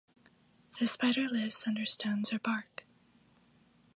The spider lives under stones or bark.